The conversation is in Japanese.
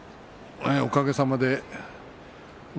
おかげさまで。